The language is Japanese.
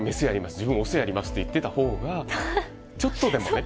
自分オスやりますって言ってた方がちょっとでもね。